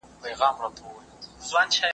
د ژوند سطحه د زحمت په اندازه لوړیږي.